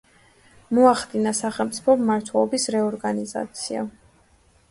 მოახდინა სახელმწიფო მმართველობის რეორგანიზაცია.